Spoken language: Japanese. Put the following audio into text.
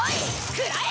くらえ！